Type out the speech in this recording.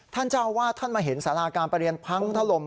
ท่านเจ้าอาวาสท่านมาเห็นสาราการประเรียนพังถล่ม